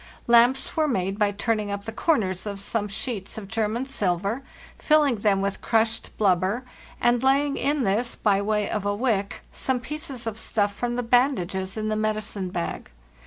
Lamps were made by turning up the corners of some sheets of German silver, filling them with crushed blubber, and laying in this, by way of a wick, some pieces of stuff from the bandages in the medicine bag.